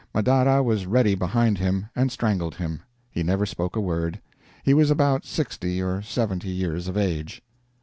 Madara was ready behind him, and strangled him. He never spoke a word. He was about 60 or 70 years of age."